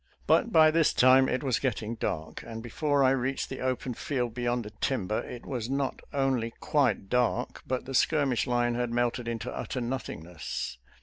But by this time it was getting dark, and before I reached the open field beyond the timber it was not only quite dark, but the skirmish line had melted into utter nothingness.